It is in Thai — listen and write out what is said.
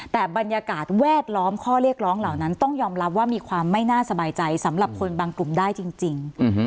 แต่บรรยากาศแวดล้อมข้อเรียกร้องเหล่านั้นต้องยอมรับว่ามีความไม่น่าสบายใจสำหรับคนบางกลุ่มได้จริง